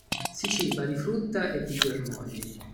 Si ciba di frutta e di germogli.